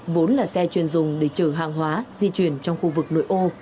vốn là xe chuyên dùng để chở hàng hóa di chuyển trong khu vực nội ô